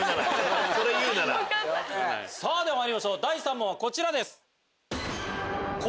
ではまいりましょう第３問はこちらです。